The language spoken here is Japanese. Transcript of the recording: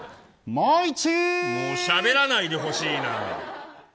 もうしゃべらないでほしいな。